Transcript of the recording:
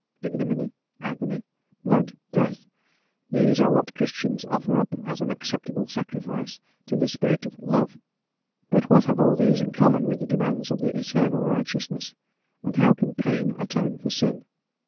Ignominy, agony, blood, death, these are what Christians offer up as an acceptable sacrifice to the Spirit of Love. But what have all these in common with the demands of the Eternal Righteousness, and how can pain atone for sin?